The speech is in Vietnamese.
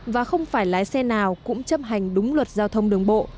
và không phải lái xe nào cũng chấp hành đúng luật giao thông đường bộ